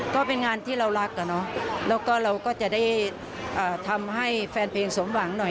ก็เป็นงานที่เรารักอะเนาะแล้วก็เราก็จะได้ทำให้แฟนเพลงสมหวังหน่อย